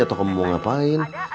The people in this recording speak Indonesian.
atau kamu mau ngapain